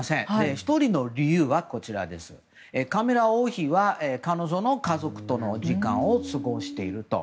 １人の理由はカミラ王妃は、彼女の家族との時間を過ごしていると。